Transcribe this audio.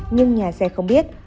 nhưng nhà xe không biết